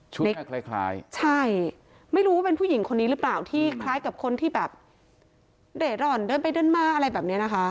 คล้ายใช่ไม่รู้ว่าเป็นผู้หญิงคนนี้หรือเปล่าที่คล้ายกับคนที่แบบเร่ร่อนเดินไปเดินมาอะไรแบบนี้นะคะ